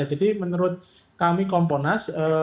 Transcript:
jadi menurut kami kompolnas